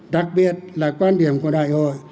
đặc biệt là quan điểm của đại hội